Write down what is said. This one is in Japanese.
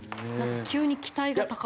急に期待が高まるような。